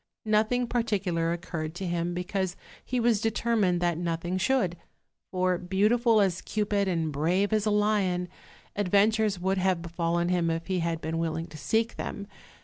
Nothing particular occurred to him, because he was determined that nothing should; for, beautiful as Cupid and brave as a lion, adventures would have befallen him if he had been willing to seek them.